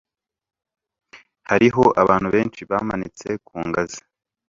Hariho abantu benshi bamanitse ku ngazi